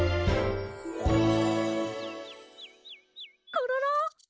コロロ！